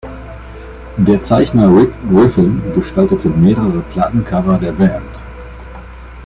Der Zeichner Rick Griffin gestaltete mehrere Plattencover der Band.